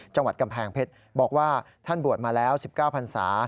จังหวัดกำแพงเพชรบอกว่าท่านบวชมาแล้ว๑๙พันศา